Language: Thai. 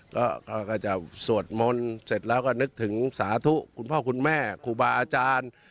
ก็จะสวดมนต์เสร็จแล้วก็นึกถึงสาธุคุณพ่อคุณแม่ครูบาอาจารย์